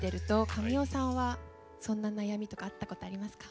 神尾さんはそんな悩みとかあったことありますか？